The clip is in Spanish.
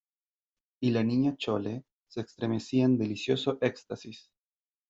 y la Niña Chole se estremecía en delicioso éxtasis ,